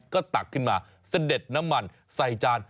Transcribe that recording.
ก็ตักขึ้นมาเสด็จน้ำมันใส่จาน